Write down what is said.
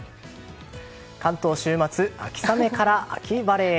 関東週末、秋雨から秋晴れへ。